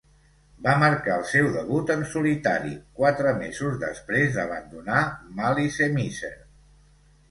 Va marcar el seu debut en solitari, quatre mesos després d'abandonar Malice Mizer.